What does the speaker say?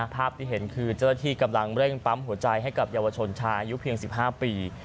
ภาพที่เห็นคือเจ้าหน้าที่กำลังเร่งปั๊มหัวใจให้กับเยาวชนชายอายุเพียง๑๕ปี